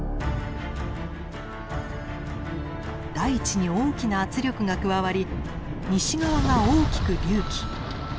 大地に大きな圧力が加わり西側が大きく隆起。